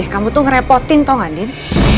kamu merepotkan andin